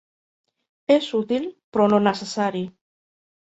És útil, però no necessari.